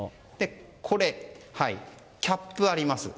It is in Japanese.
これ、キャップあります。